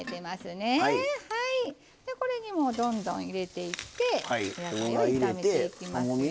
じゃこれにもうどんどん入れていってお野菜を炒めていきますよ。